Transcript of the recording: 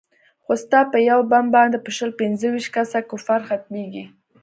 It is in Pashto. خو ستا په يو بم باندې به شل پينځه ويشت کسه کفار ختميګي.